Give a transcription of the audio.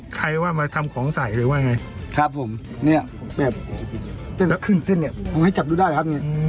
เคยเสพมาก่อนครับแต่พี่หยุดครับ